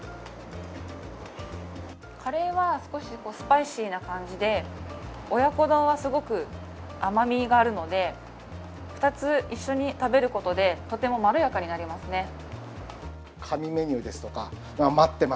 カレーは少しスパイシーな感じで親子丼はすごく甘みがあるので２つ一緒に食べることでとてもまろやかになりますね。